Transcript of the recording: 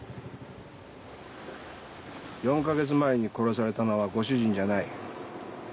４か月前に殺されたのはご主人じゃない。